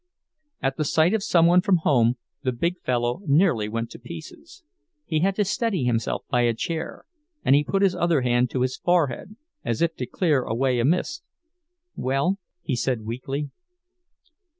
At the sight of some one from home the big fellow nearly went to pieces—he had to steady himself by a chair, and he put his other hand to his forehead, as if to clear away a mist. "Well?" he said, weakly.